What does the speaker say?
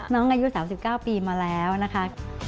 อายุ๓๙ปีมาแล้วนะคะ